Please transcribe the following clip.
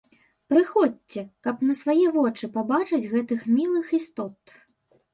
Прыходзьце, каб на свае вочы пабачыць гэтых мілых істот!